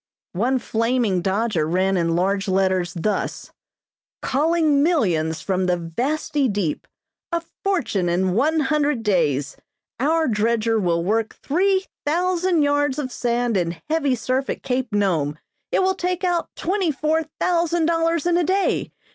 One flaming dodger ran in large letters thus: "Calling millions from the vasty deep. A fortune in one hundred days. Our dredger will work three thousand yards of sand in heavy surf at Cape Nome. It will take out twenty four thousand dollars in a day.